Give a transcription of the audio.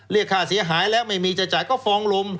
เรียกค่าเสียหายแล้วไม่มีจะจ่ายก็ฟองลม